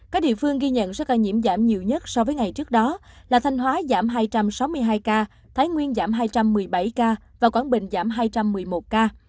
các địa phương ghi nhận số ca nhiễm giảm nhiều nhất so với ngày trước đó là thanh hóa giảm hai trăm sáu mươi hai ca thái nguyên giảm hai trăm một mươi bảy ca và quảng bình giảm hai trăm một mươi một ca